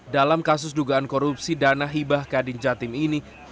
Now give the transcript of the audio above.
dalam kasus dugaan korupsi dana hibah kadin jatim ini